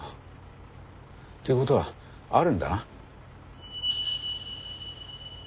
って事はあるんだな。